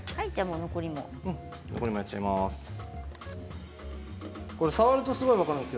残りもやってしまいます。